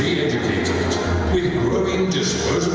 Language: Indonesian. dengan pendapatan yang lebih besar